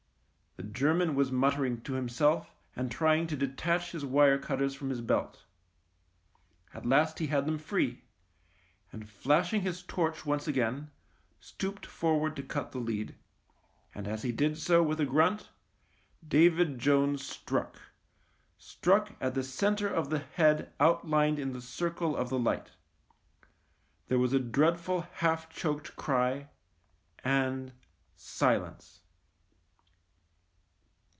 The German was muttering to him self and trying to detach his wire cutters from his belt. At last he had them free, and, flashing his torch once again, stooped for ward to cut the lead. And as he did so with a grunt, David Jones struck — struck at the centre of the head outlined in the circle of light. There was a dreadful half choked cry and — silence.